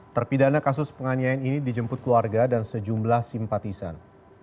terpidana kasus penganiayaan ini dijemput keluarga dan sejumlah simpatisan